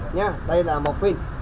nha đây là morphine